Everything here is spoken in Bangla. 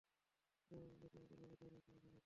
তা লোক চলাচলের পথের পাশে এখনও বিদ্যমান।